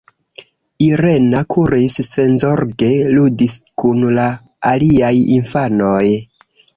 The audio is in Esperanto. Irena kuris, senzorge ludis kun la aliaj infanoj.